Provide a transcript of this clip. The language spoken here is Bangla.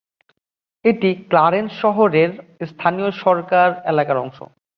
এটি ক্লারেন্স শহরের স্থানীয় সরকার এলাকার অংশ।